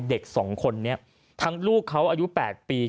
เด็ก๒คนนี้ทั้งลูกเขาอายุ๘ปี